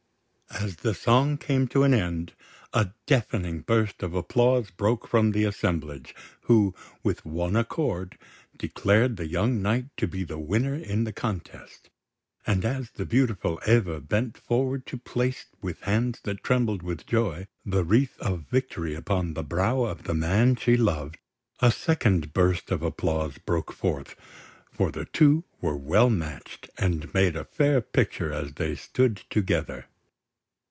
As the song came to an end, a deafening burst of applause broke from the assemblage, who, with one accord, declared the young knight to be the winner in the contest; and as the beautiful Eva bent forward to place, with hands that trembled with joy, the wreath of victory upon the brow of the man she loved, a second burst of applause broke forth, for the two were well matched, and made a fair picture as they stood together.